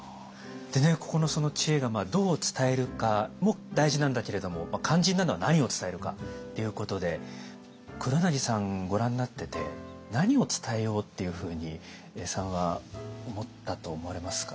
でねここの知恵が「“どう伝えるか”も大事なんだけれども肝心なのは“何を伝えるか”」っていうことで黒柳さんご覧になってて何を伝えようっていうふうに永さんは思ったと思われますか？